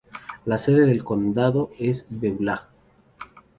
La sede del condado es Beulah.